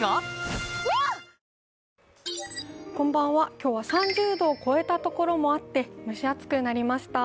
今日は３０度を超えたところもあって、蒸し暑くなりました。